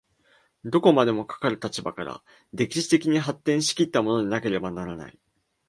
どこまでもかかる立場から歴史的に発展し来ったものでなければならない。